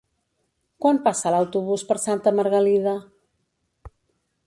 Quan passa l'autobús per Santa Margalida?